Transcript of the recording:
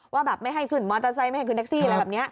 ว่าแบบไม่ให้ขึ้นมอเตอร์ไซค์ไม่ให้ขึ้นแท็กซี่อะไรแบบนี้